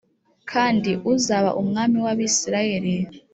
kandi uzaba umwami w’Abisirayeli